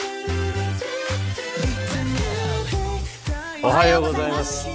おはようございます。